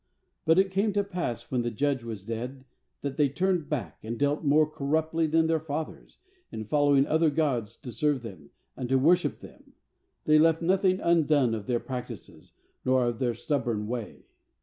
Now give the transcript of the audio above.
19But it came to pass, when the judge was dead, that they turned back, and dealt more corruptly than their fathers, in following other gods to serve them, and to worship them; they left nothing undone of their practices, nor of their stubborn way.